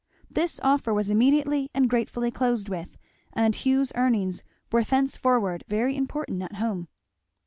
This offer was immediately and gratefully closed with; and Hugh's earnings were thenceforward very important at home.